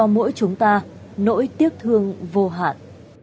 mỗi chúng ta nỗi tiếc thương vô hạn